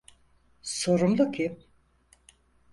Sorumlu kim?